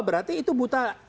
berarti itu buta